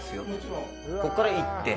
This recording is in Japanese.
ここからいって。